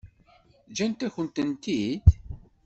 Ǧǧan-akent-tent-id?